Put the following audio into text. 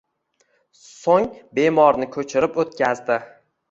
Soʻng bemorni koʻchirib oʻtkazdi